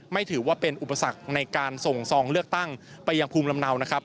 ไม่ถือว่าเป็นอุปสรรคในการส่งซองเลือกตั้งไปยังภูมิลำเนานะครับ